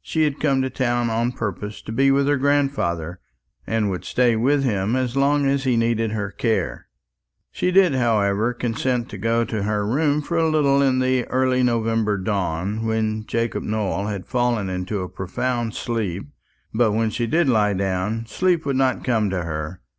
She had come to town on purpose to be with her grandfather, and would stay with him as long as he needed her care. She did, however, consent to go to her room for a little in the early November dawn, when Jacob Nowell had fallen into a profound sleep; but when she did lie down, sleep would not come to her.